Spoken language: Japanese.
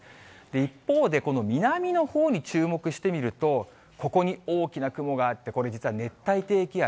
一方でこの南のほうに注目して見ると、ここに大きな雲があって、これ、実は熱帯低気圧。